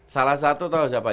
salah satu tau siapa